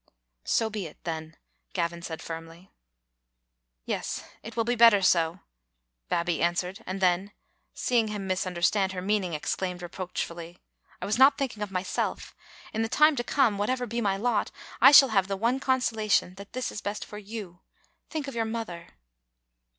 "So be it, then," Gavin said firmly. "Yes, it will be better so," Babbie answered, and then, seeing him mistmderstand her meaning, exclaimed reproachfully, " I was not thinking of myself. In the time to come, whatever be my lot, I shall have the one consolation, that this is best for you. Think of your mother."